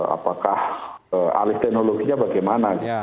apakah alih teknologinya bagaimana